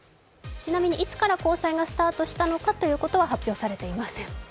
ちなみに、いつから交際がスタートしたのかということは発表されていません。